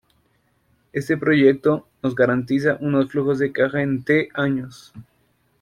Este proyecto, nos garantiza unos Flujos de Caja en "t" años.